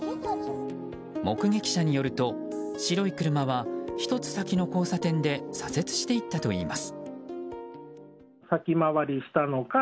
目撃者によると白い車は１つ先の交差点で左折していったといいます。